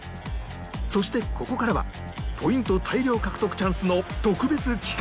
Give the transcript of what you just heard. そしてここからはポイント大量獲得チャンスの特別企画